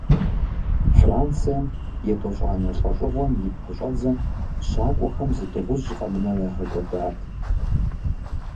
Францием, етӀощӀанэ лӀэжьыгъуэм и пэщӀэдзэм, щакӏуэхэм зы дыгъужь къэмынэу, ягъэкӀуэдат.